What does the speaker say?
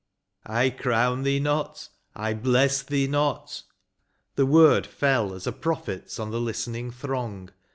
" I crown thee not, I bless thee not;" — the word Fell as a prophet's on the listening throng.